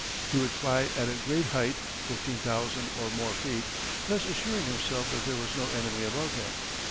He would fly at a great height, fifteen thousand or more feet, thus assuring himself that there was no enemy above him.